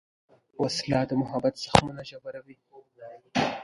وسله د محبت زخمونه ژوروي